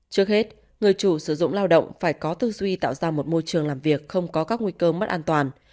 trước hết người chủ sử dụng lao động phải có tư duy tạo ra một môi trường làm việc không có các nguy cơ mất an toàn